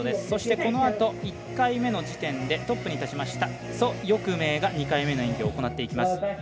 そして、このあと１回目の時点でトップに立ちました蘇翊鳴が２回目の演技を行っていきます。